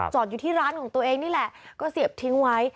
อยู่ที่ร้านของตัวเองนี่แหละก็เสียบทิ้งไว้